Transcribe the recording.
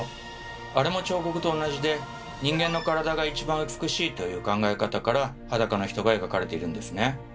あれも彫刻と同じで人間の体が一番美しいという考え方から裸の人が描かれているんですね。